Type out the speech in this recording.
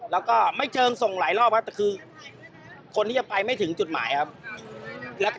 แล้วก็ไม่เชิงส่งหลายรอบครับแต่คือคนที่จะไปไม่ถึงจุดหมายครับ